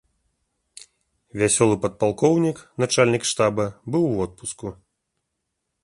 Вясёлы падпалкоўнік, начальнік штаба, быў у водпуску.